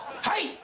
はい。